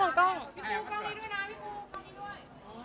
พี่ฟูกล้องนี้ด้วยนะพี่ฟูกล้องนี้ด้วย